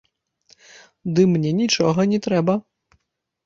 Ды мне нічога не трэба!